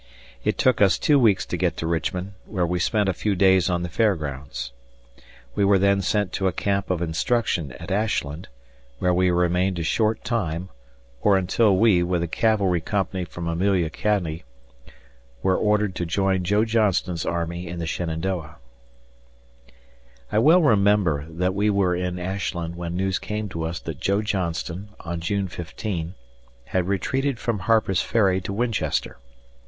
It took us two weeks to get to Richmond, where we spent a few days on the Fair Grounds. We were then sent to a camp of instruction at Ashland, where we remained a short time or until we, with a cavalry company from Amelia County, were ordered to in Joe Johnston's army in the Shenandoah. I well remember that we were in Ashland when news came to us that Joe Johnston, on June 15, had retreated from Harper's Ferry to Winchester.